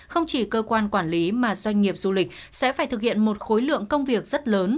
không chỉ cơ quan quản lý mà doanh nghiệp du lịch sẽ phải thực hiện một khối lượng công việc rất lớn